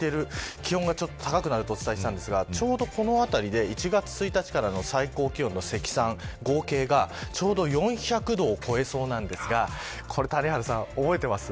気温が高くなるとお伝えしたんですが１月１日からの最高気温の合計がちょうど４００度を超えそうなんですが谷原さん、覚えてます。